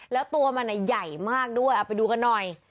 แล้วตัวมันใหญ่มากด้วยเอาไปดูกันหน่อย